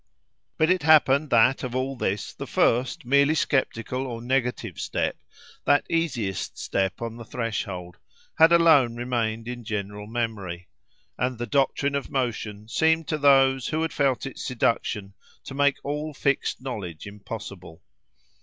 But it happened, that, of all this, the first, merely sceptical or negative step, that easiest step on the threshold, had alone remained in general memory; and the "doctrine of motion" seemed to those who had felt its seduction to make all fixed knowledge impossible.